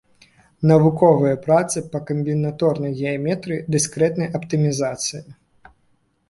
Навуковыя працы па камбінаторнай геаметрыі, дыскрэтнай аптымізацыі.